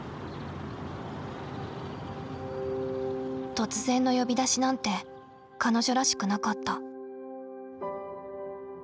突然の呼び出しなんて彼女らしくなかった。